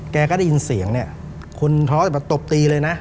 แกก็ได้ยินเสียงเนี่ยคุณท้อมาตบตีเลยนะ